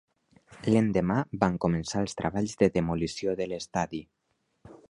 L'endemà van començar els treballs de demolició de l'estadi.